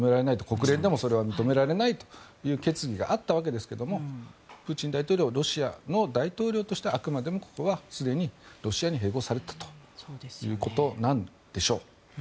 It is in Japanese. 国連でもそれは認められないという決議があったわけですがプーチン大統領ロシアの大統領としてあくまでもここはすでにロシアに併合されたということなんでしょう。